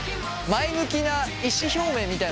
前向きな意思表明みたい